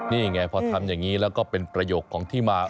นี่ไงพอทำอย่างนี้แล้วก็เป็นประโยคของที่มา